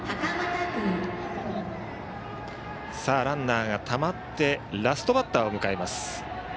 ランナーがたまってラストバッターを迎えます。